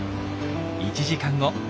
１時間後。